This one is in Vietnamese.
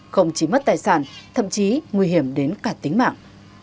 không chỉ mất tài sản thậm chí nguy hiểm đến cả tính mạng